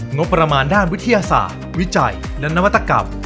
งบประมาณด้านวิทยาศาสตร์วิจัยและนวัตกรรม